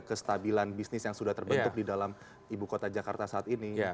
kestabilan bisnis yang sudah terbentuk di dalam ibu kota jakarta saat ini